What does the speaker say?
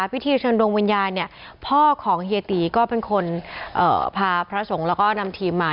พิธีเชิญดวงวิญญาณเนี่ยพ่อของเฮียตีก็เป็นคนพาพระสงฆ์แล้วก็นำทีมมา